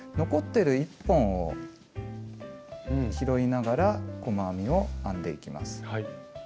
残ってる１本を拾いながら細編みを編んでいきます。